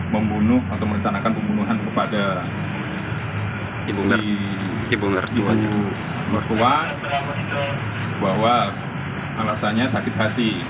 membunuh atau merencanakan pembunuhan kepada ibu mertua bahwa alasannya sakit hati